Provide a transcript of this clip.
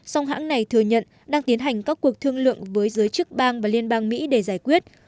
song hãng này thừa nhận đang tiến hành các cuộc thương lượng với giới chức bang và liên bang mỹ để giải quyết